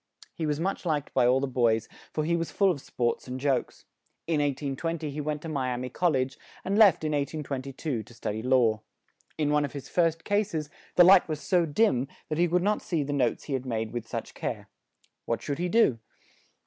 He was much liked by all the boys, for he was full of sports and jokes. In 1820 he went to Mi a mi Col lege, and left in 1822, to stud y law. In one of his first cases, the light was so dim, that he could not see the notes he had made with such care. What should he do?